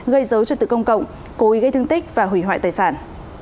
gây dối trật tự công cộng cố ý gây thương tích và hủy hoại tài sản